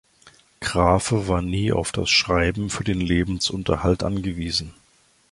Grafe war nie auf das Schreiben für den Lebensunterhalt angewiesen.